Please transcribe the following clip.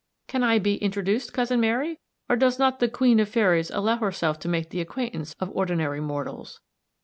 Can I be introduced, cousin Mary, or does not the Queen of fairies allow herself to make the acquaintance of ordinary mortals?"